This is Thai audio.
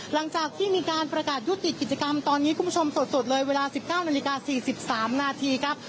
หลังจากที่มีการประกาศยุติกิจกรรมตอนนี้คุณผู้ชมสดเลยเวลา๑๙นาฬิกา๔๓นาทีครับ